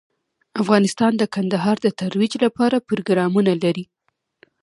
افغانستان د کندهار د ترویج لپاره پروګرامونه لري.